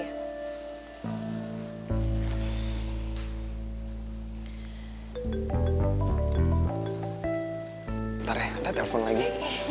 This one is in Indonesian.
bentar ya ada telepon lagi